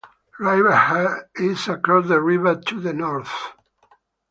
Riverhead is across the river to the north.